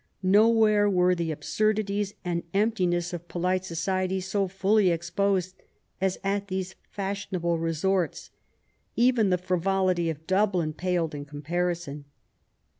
Nowhere were the absurdities and emptiness of polite society so fully exposed as at these fashionable resorts. Even the frivolity of Dublin paled in comparison.